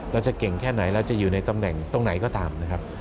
เราจะเก่งแค่ไหนเราจะอยู่ในตำแหน่งตรงไหนก็ตามนะครับ